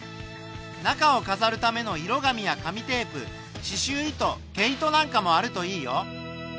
中をかざるための色紙や紙テープししゅう糸毛糸なんかもあるといいよ。